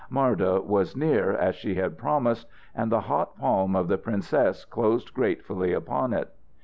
Marda was near, as she had promised, and the hot palm of the princess closed gratefully upon it.